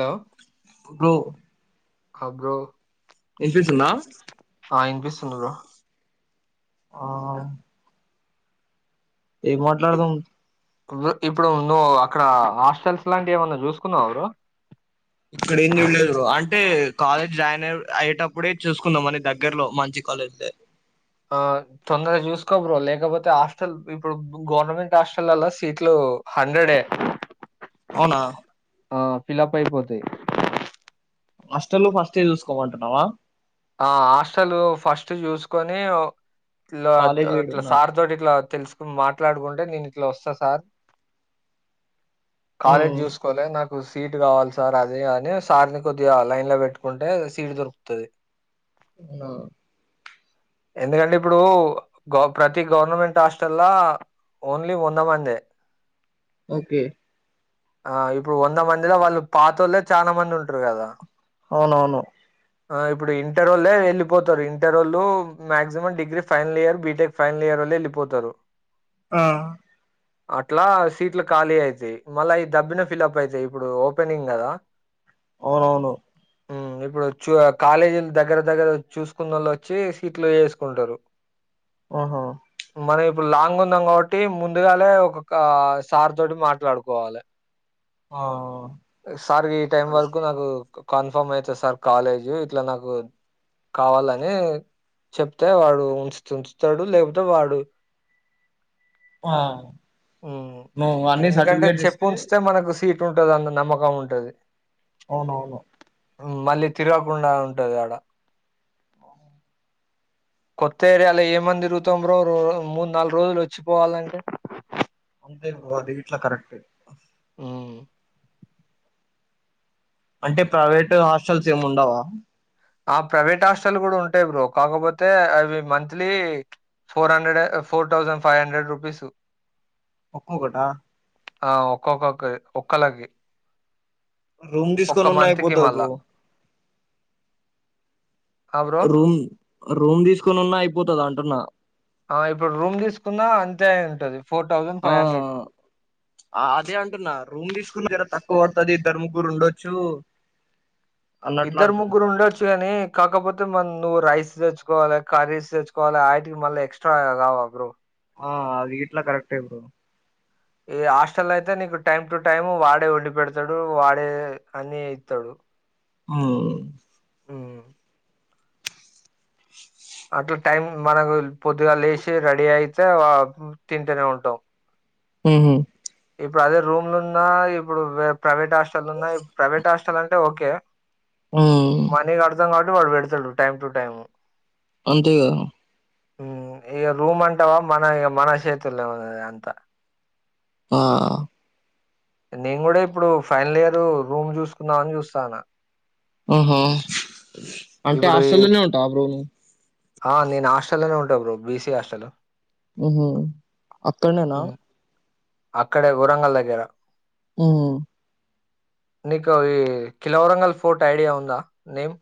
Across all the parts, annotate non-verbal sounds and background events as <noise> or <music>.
Hello bro ఆ bro ఇన్పిస్తుందా తిన్నరా ఆ ఏం మాట్లాడుదాం ఇప్పుడూ నువ్వు అక్కడా హాస్టల్స్ లాంటివి ఏమన్నా చూసుకున్నావ బ్రో ఇక్కడేం చూడలేదు బ్రో అంటే కాలేజ్ జాయిన్ అయ్ అయ్యేటప్పుడే చూసుకుందాం మని దగ్గరలో మంచి కాలేజ్లే ఆ తొందరగా చూసుకోబ్రో లేకపోతే హాస్టల్ ఇప్పుడు గవర్నమెంట్ హాస్టలల్లా సీట్లు ఓం హండ్రెడే అవునా ఆ ఫిల్లప్ అయిపోతయి హాస్టల్లో ఫస్టే చూసుకోమంటున్నవా ఆ హాస్టలూ ఫస్టు చూసుకొనీ ఓ ఇట్లా కాలేజ్ ఇట్ల ఏడున్నా సార్ తోటి ఇట్లా తెల్సుకొని మాట్లాడుకుంటే నేను ఇట్లా వస్తా సార్ కాలేజ్ ఉమ్ జూసుకోవలే నాక్ ఓం సీటు కావాలి సార్ అది అనీ సార్ని కొద్దిగా లైన్ లో పెట్టుకుంటే సీటు దొరుకుతది. అవునా ఎందుకంటే ఇప్పుడూ గవ్ ప్రతి గవర్నమెంట్ హాస్టల్లా ఓన్లీ వంద మందే ఓకే ఆ ఇప్పుడు వంద మందిలో వాళ్ళు పాతోళ్ళే చానా మంది ఉంటరు గదా. అవునవును ఆ ఇప్పుడు ఇం ఇంటరోళ్ళే వెళ్ళిపోతరు ఇంటరోళ్ళూ maximum degree final year, BTech final ఇయరోళ్ళే వెళ్ళిపోతరు. ఆ అట్లా సీట్లు ఖాళీ అయితయి మళ్ళా ఇయి దబ్బిన ఫిల్లప్ అయితయి ఇప్పుడూ ఓపెనింగ్ గదా. అవునవును ఊ ఇప్పుడు ఒచ్చూ ఆ కాలేజిల్ల్ దగ్గర దగ్గర చూసుకున్నోళ్ళు వచ్చీ సీట్లు వేసుకుంటరు. ఆహా మనం ఇప్పుడు లాంగ్ ఉన్నాం కాబట్టి ముందుగాలే ఒకొకా సార్ తోటి మాట్లాడుకోవాలె. ఆ సార్ గీ టైం అదే వరకు నాకూ కన్ఫార్మ్ అయితది సార్ కాలేజు ఇట్ల నాకు కావాలనీ చెప్తే వాడు ఉంచుతే ఉంచుతడు లేకపోతే వాడు ఆ ఊ నువ్వు అన్ని ఎందుకంటే సర్టిఫికేట్స్ చెప్పి ఇస్తే ఉంచితే మనకు సీట్ తుంటది అంత నమ్మకం ఉంటది అవునవును మళ్ళీ తిరగకుండా ఉంటది ఆడ <unintelligible> <unintelligible> కొత్త ఏరియాలో ఏమని తిరుగుతాం బ్రో <unintelligible> మూడు, నాలుగు రోజులు వచ్చిపోవాలంటే. అంతే బ్రో అది గిట్లా కరెక్టే ఉ అంటే ప్రైవేటు హాస్టల్స్ ఏమి ఉండవ ఆ ప్రైవేట్ హాస్టల్ కూడా ఉంటాయి, బ్రో కాకపోతే అవి monthly. Four hundred four thousand five hundred rupees ఒక్కొక్కట ఆ ఒక్కొక్కొకి ఒక్కళ్ళకి రూమ్ ఒక్క తీసుకొని ఉన్నా మంత్కి అయిపోతది మల్ల బ్రో బ్రో రూమ్, రూమ్ తీసుకొనున్నా అయిపోతది అంటున్నా ఆ ఇప్పుడు రూమ్ తీసుకున్న అంతే అయ్యింటది ఆ అదే అంటున్నా రూమ్ తీసుకున్న జర తక్. కువ పడతది ఇద్దరు, ముగ్గురు ఉండొచ్చు అన్నట్లు ఇద్దరు అంటున్నా ముగ్గురు ఉండొచ్చు కాని కాకపోతే మన్ నువ్వు రైస్ తెచ్చుకోవాలే, కర్రీస్ తెచ్చుకోవాలే ఆటికి మల్ల ఎక్సట్రా కావా బ్రో. ఆ అది గిట్లా కరెక్టే బ్రో ఈ హాస్టల్లైతే నీకు టైమ్ టు టైం, వాడే వండి పెడతాడు వాడే అన్ని ఇత్తడు. మ్మ్ మ్ అట్లా టైం మనకు పొద్దుగాల్ల లేసి రెడీ అయితే <inaudible> తింటనే ఉంటాం. ఉహు ఇప్పుడు అదే రూమ్లోన్న, ఇప్పుడు ప్రైవేట్ హాస్టల్లున్నా ఇప్, ప్రైవేట్ హాస్టల్ అంటే ఓకే. ఉ మనీ కడతాం కాబట్టి వాడు పెడతాడు టైం టు టైం. అంతేగదా హు ఇగ రూమ్ అంటవ మనదిగ మన చేతుల్లోనున్నది అంతా. ఆ నేన్ గుడా ఇప్పుడు ఫైనల్ ఇయరు రూమ్ చూసుకుందామని చూస్సన్న. ఉహు అంటే ఇప్పుడు ఈ హాస్టల్లోనే ఉంటావ బ్రో నువ్ ఆ నేను హాస్టల్లోనే ఉంటా బ్రో బిసి హాస్టలు ఉహు అక్కడనేనా అక్కడే వరంగల్ దగ్గర మ్ నీకు ఈ ఖిల్లావరంగల్ ఫోర్ట్ ఐడియా ఉందా నేమ్.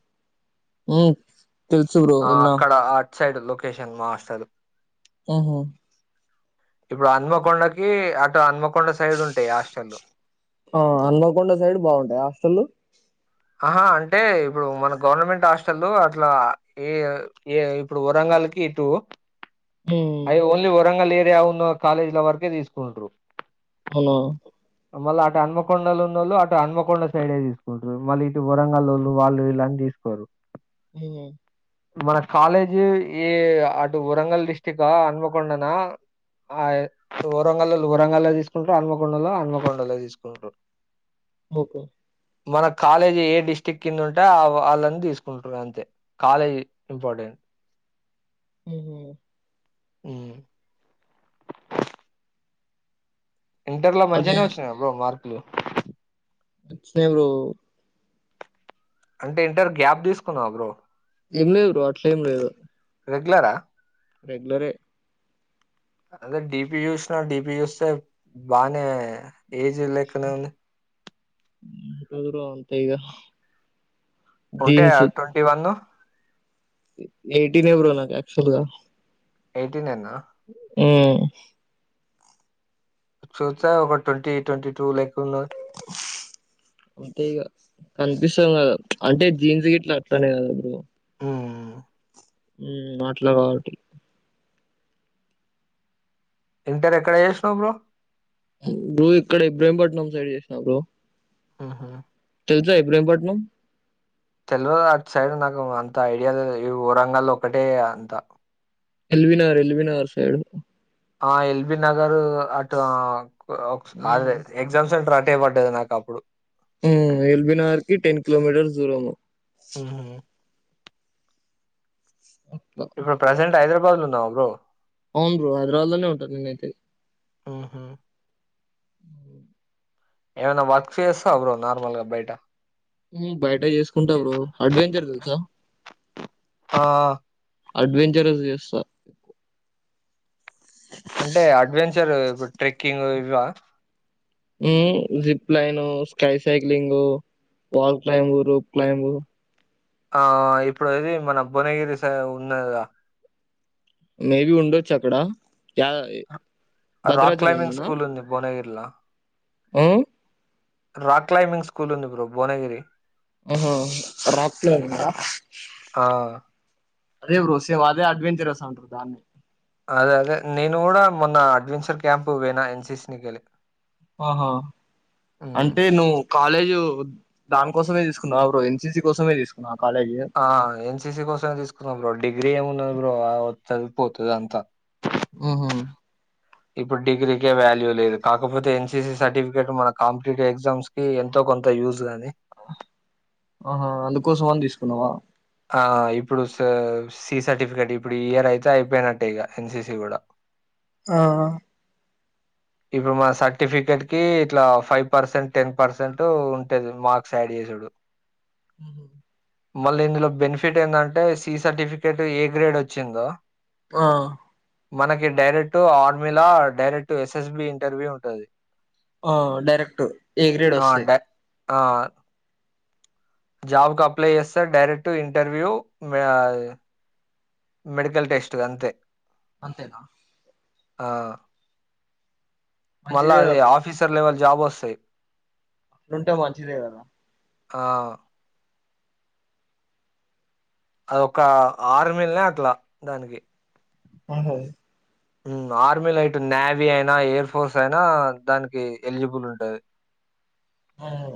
ఉ తెల్సుబ్రో ఇన్న ఇట్స్సైడ్ లొకేషన్ మా అస్టలు ఉహు ఇప్పుడు అన్మకొండకి అటు ఆన్మొ. ఆ అన్మకొండకి సైడ్ బాగుంటాయ హాస్టల్లు. ఆహా అంటే ఇప్పుడు మన గవర్నమెంట్ హాస్టల్లు అట్లా ఏ, ఏ ఇప్పుడు వరంగల్. ల్కి ఇటు ఉ ఐ ఓన్లీ వరంగల్ ఏరియా ఉన్న కాలేజీల వరకే తీసుకుంటు అవున మళ్ళీ అటు అన్మకొండలో ఉన్నళ్ళు అటు అన్మకొండ సైడే తీసుకుంటారు మళ్ళీ ఇటు వరంగల్ వాళ్ళు వాళ్ళు ఇలాంటిీ తీసుకోరు ఉమ్ మన కాలేజీ ఈ అటు వరంగల్ డిస్టి్క అన్మకొండనా ఆ వరంగ వరంగల్లో తీసుకుంట్రారు అన్మకొండలో ఆన్మకొండలో తీసుకుంట్రారు ఓకే మన కాలేజ్ ఏ డిస్టి్రిక్ కింద ఉంటే వాళ్ళని తీసుకుంటుారు అంతే కాలేజ్ ఇంపార్టెంట్ ఆ ఉ ఇంటర్లో అదే మంచినేయ్ వచ్చినయ్ బ మార్క్లు సెవరు అంటే ఇంటర్ గ్యాప్ తీసుకున్నావ్ బ్రో ఏం లేదు బ్రొ అట్లే ఏం లేదు రెగ్యులరా రెగ్యులరే అదే డిపి చూసిన డిపి చూస్తే బానే ఏజ్ లెక్కనే ఉంది దురు ఉంటాయి. కదా ఉంటయా ట్వంటీ వన్ ఎయిటీన్ ఎ బో నాక యాక్చువల్గా ఎయిటీనెనా ఉమ్ చూస్తె ఒక ట్వంటీ ట్వంటీ టూ లైక్ అంతె ఇగ కన్పిస్ ఇం కదా అంటే జీన్స్ గిట్ల అట్టానే కదా బ్రో హు ఉ అట్ల కాబట్టి ఇంటర్ ఎక్కడ చేసినవ్ బ్రో బ్రొ ఇక్కడ భ్రేమపట్నం సైడ్ చేసిన బ్రొ ఉహూ తెలుసా ఈ బ్రౌమపట్నం తెలవ అట్ సైడ్ నాకు అంత ఐడియా లేదు ఈ బరంగాల్లో ఒకటే అంత ఎల్వినార్ ఎల్వినార్ సైడ్ ఆ ఎల్బి నగర్ అటు అ ఎక్జామ్ ఒ అదే సెంటర్ అ అట్టే పడ్డది నాకు అప్పుడు ఉమ్ ఎల్బినర్కి టెన్ కిలోమీటర్స్ దూరము ఊహు అట్లా ఇప్పుడు ప్రజెంట్ హైదరాబాద్ లో ఉన్నావ్ బ్రో అవున్ బ్రొ హైదరాబాద్ లోనే ఉంటా నేనైతే ఊహు అవు ఏమన్‌నా వర్క్ చేస్తావా నార్మల్గా బయట బయట చేసుకుంటా బ్ర అడ్వెంచర్ తెలుసా ఆ అడ్వెంచరస్ చేస్తా ఇ ట్రెకింగ్ ఇవా zipline sky cycling wall climb rope climb ఆ ఇప్పుడు ఇది మన భువనగిరి స ఉన్నది కద మేబి ఉండొచ్చు అక్కడ యడది రాక్ క్లైంబింగ్ స్కూల్ ఉంది భువనగిర్లా ఉ రాాక్ క్లైంబింగ్ స్కూల్ ఉంది ఇ బ్రో భువనగిరి ఆహ రాక్లుంద ఆ అదే బ్రో సేవ్దే అడ్వెంచర్స్ అంట్ర దాన్ని అదే అదే నేను కూడా మొన్న అడ్వెంచర్ క్యాంప్ వనా ఎన్సిసి నికెళ్ళి ఆహా అంటే నువ్వు కాలేజు దాని కోసమే తీసుకున్నా ఎన్సీసి కోసమే తీసుకున ఆ ఎన్సిసి కోసమే తీసుకున్నాం రో డిగీ ఇ ఏమ్ర వ చదుపోతుద అంత ఆహ ఇప్పుడు డిగ్రీకే వాల్యూ లేదు కాకపోతే ఎన్సిసి సర్టిఫికేట్ మన కాంపిటేటివ్ ఎగ్జామ్స్ కి ఎంతో కొంత యూజ్ కాగాని ఆహా అందుకోసం అని తీసుకున్నావా ఆ ఇప్పుడు సి సర్టిఫికేట్ ఇప్పుడు ఈ ఇయర్ అయితే అయిపోయినట్టే ఇక ఎన్సిసి కూడా ఆహా ఇప్పుడు మన సర్టిఫికెట్ కి ఇట్లా ఫైవ్ పర్సెంట్ టెన్ పర్సెంట్ ఉంటేది మార్క్స్ యాడ్ చడు హ మళ్ళీ ఇందులో బెనిఫిట్ ఏంటంటే సి సర్టిఫికేట్ ఏ గ్రేడ్ వచ్చిందో ఆ మనకి డైరెక్ట్ ఆర్మిలా డైరెక్ట్ ఎస్ఎస్బి ఇంటర్వ్యూ ఉంటది ఆ డైరెక్ట్ ఏ గ్రేడ్ ఆ వస్తాయి డై ఆ జాబ్ క అప్లై చేస్తారు డైరెక్ట్ ఇంటర్వ్యూ మెడికల్ టెస్ట్ అంతే అంతేనా ఆ మళ్ళా మంచిదే అది అట్లా. ఆఫీసర్ లెవెల్ జాబ్ వస్తాయి అక్కలుంటే మంచిదే కదా ఆ అదొ ఒక ఆరుమలనే అట్లా దానికి ఆహ ఆర్మీ లైట్ నేవీ అయినా ఎయిర్ ఫోర్స్ అయినా దానికి ఎలిజిబుల్ ఉంటుది ఆవు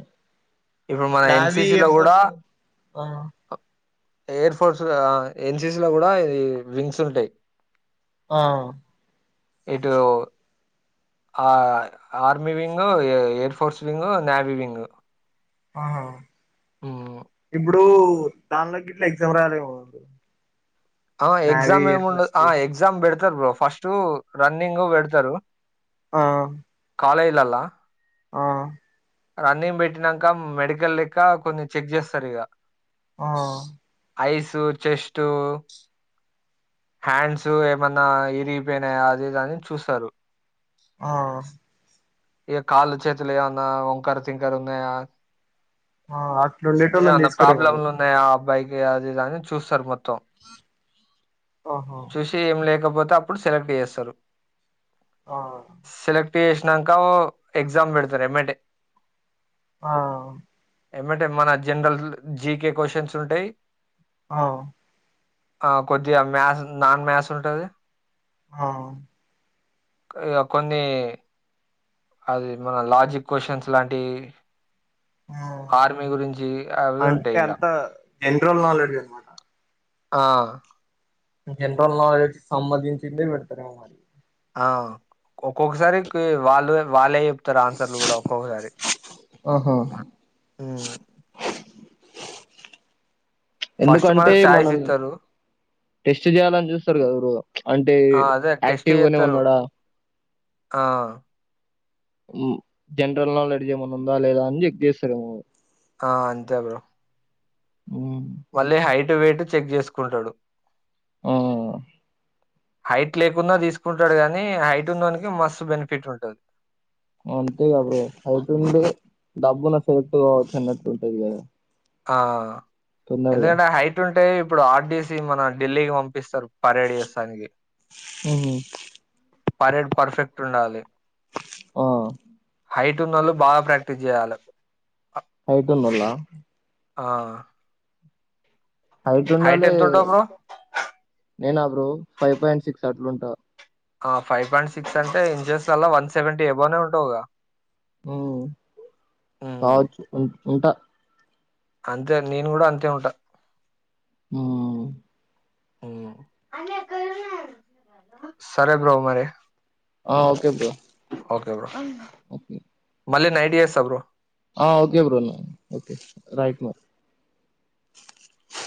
ఇప్పుడు మన ఎన్సిసి లో కూడా ఆ ఎయర్ ఫోర్స్ గదా ఎన్సిసి లో గుడా ఇది వింగ్సుంటాయ్ ఆ ఇటూ ఆ army wing air force wing navy wing ఆ ఇబ్ డూ దాండ్ల గిడ్ల ఎక్జామ్ రాయాలేమో ఆ నావీ ఎయిర్ ఎగ్జామేమిండదు ఫోర్స్ ఆ కి ఎగ్జామ్ బెడ్తారు బ్రో ఫస్టూ రన్నింగూ బెడ్తారు ఆ కాలేజిలల్ల ఆ రన్నింగ్ బెట్టినాంక మెడికల్ లెక్క కొన్ని చెగ్ జేస్తారు ఇగ ఆ ఐసూ చెస్టు హ్యాండ్సు ఏమన్నా ఎరిగిపోయినాయా అదిదని చూస్తారు ఆ ఇగ కాళ్ళు చేతులు ఏమన్నా వంకరు తింకరు ఉన్నాయా ఆ అట్లా ఉండేటోళ్ళని ఏవన్న తీసుకోరేమో ప్రాబ్లమ్లు మరి ఉన్నాయా ఆ అబ్బాయి కి అది ఇదని చూస్తరు మొత్తం ఆహా చూసి ఏం లే లేకపోతే అప్పుడు సెలెక్ట్ జేస్తారు ఆ టేసినాంక ఎగ్జామ్ బెడతారు ఏమంటే ఆ ఏమంటే మన జన్రల్ జీకె క్వశ్చన్స్ ఉంటాయ్ ఆవు ఆ కొద్దిగా మ్యాసు నాన్ మ్యాసు ఉంటది ఆ ఇగ కొన్ని అది మన లాజిక్ కొషన్స్ ఇలాంటి ఆ ఆర్మీ గురించి అవి ఉంటాయ్ ఇగ ఎండ్రోల్ నాలెడ్జి అనమాట ఆ జండ్రల్ నాలెడ్జి కి సంబందించిందే పెడతారేమొ మరి ఆ ఒక్కొక్కసారి కి వాళ్ళు వాళ్ళె చెప్తారు ఆన్సర్లు గూడా ఒక్కొక్కసారి ఆహా ఊ ఫస్ట్ ఎందుకంటే మనకు ఛాయిస్ మనం ఇస్తారు టెస్టు జేయాలని జుస్తారు గదా ఎవరు అంటే ఆ అదే టెస్ట్ యాక్టివ్ గనే చేస్తారు ఉన్నడా ఆ ఉమ్ జండ్రల్ల్ నాలెడ్జ్ ఏమన్న ఉందా లేదా అని జెక్ జెస్తారెమొ ఆ అంతే బ్రో ఉమ్ వళ్ళీ హైటు వెయట్ చెగ్ జేసుకుంటాడు ఆ హైట్ లేకున్న దీసుకుంటాడు గానీ హైటున్నోనికే మస్తు బెనిఫిట్ ఉంటది అంతే గా బ్రో హైటుంటే డబ్బుల సేత్తో <unintelligible> గదా ఆ ఎందుకంటే హైట్ ఉంటే ఇప్పుడు ఆర్ డి సి మన ఢిల్లీకి పంపిస్తారు పరేడు ఏస్తానికి ఉహు. పరేడు పర్ఫెక్ట్ ఉండాలి ఆ హైట్ ఉన్నోళ్ళు బాగా ప్రాక్టీస్ చేయాల హయిటొన్నల్లా ఆ హైట్ ఉండాలి ఎంతుంటావు బ్రో? నేను అ బ్రో ఫైవ్ పాయింట్ సిక్స్ అట్లుంటా ఆ ఫైవ్ పాయింట్ సిక్స్ అంటే ఇంజెన్స్లలా వన్ సెవెంటీ ఏబోనే ఉంటావుగా ఓహో హ్మ్ కావచ్చు ఉ ఉంటా అంతే నేను కూడా అంతే ఉంటా ఉమ్ ఉ సరే బ్రో మరి ఆ okay bro okay bro okay మళ్ళీ నైట్ చేస్తా బ్రో ఆ okay bro okay right now